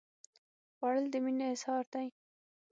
خوړل د مینې اظهار دی